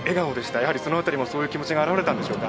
やはり、そのあたりもそういう気持ちが表れたんでしょうか？